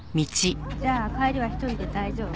じゃあ帰りは１人で大丈夫？